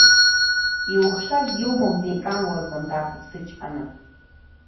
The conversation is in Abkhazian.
Иухшаз иоума узеикануа, — лҳәон, даақәыԥсычҳаны.